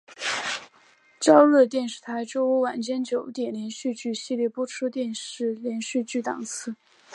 朝日电视台周五晚间九点连续剧系列播出的电视连续剧档次。